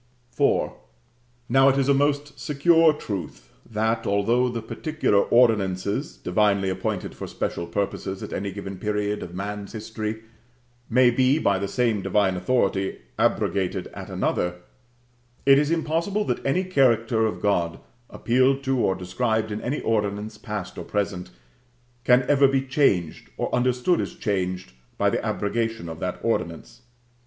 IV. Now, it is a most secure truth, that, although the particular ordinances divinely appointed for special purposes at any given period of man's history, may be by the same divine authority abrogated at another, it is impossible that any character of God, appealed to or described in any ordinance past or present, can ever be changed, or understood as changed, by the abrogation of that ordinance.